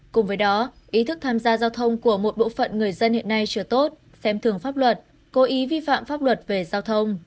cùng với đó ý thức tham gia giao thông của một bộ phận người dân hiện nay chưa tốt xem thường pháp luật cố ý vi phạm pháp luật về giao thông